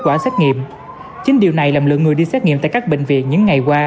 kết quả xét nghiệm chính điều này làm lượng người đi xét nghiệm tại các bệnh viện những ngày qua